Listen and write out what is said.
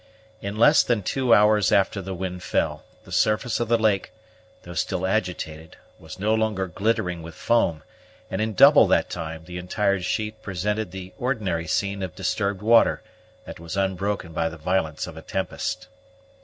In less than two hours after the wind fell, the surface of the lake, though still agitated, was no longer glittering with foam; and in double that time, the entire sheet presented the ordinary scene of disturbed water, that was unbroken by the violence of a tempest.